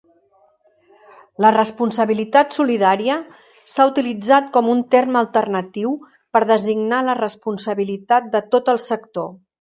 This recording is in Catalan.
La responsabilitat solidària s'ha utilitzat com un terme alternatiu per designar la responsabilitat de tot el sector.